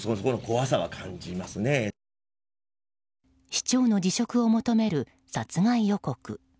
市長の辞職を求める殺害予告。